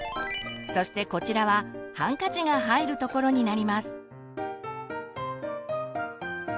そしてこちらはハンカチが入るところになります。